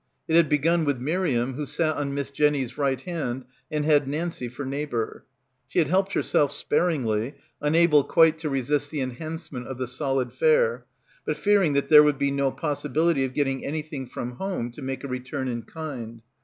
It had begun with Miriam, who sat on Miss Jenny's right hand, and had Nancie for neighbour. She had helped herself sparingly, unable quite to resist the enhancement of the solid fare, but fearing that there would be no possibility of getting anything from home to make a return in kind.